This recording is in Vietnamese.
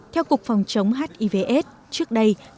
theo cục phòng chống hiv aids trước đây